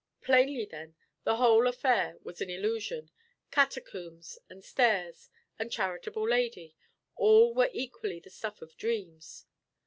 Plainly, then, the whole affair was an illusion: catacombs, and stairs, and charitable lady, all were equally the stuff of dreams.